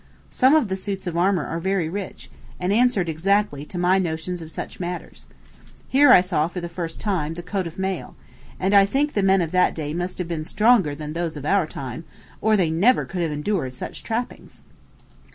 Some of the suits of armor were very rich, and answered exactly to my notions of such matters. Here I saw, for the first time, the coat of mail; and I think the men of that day must have been stronger than those of our time, or they never could have endured such trappings.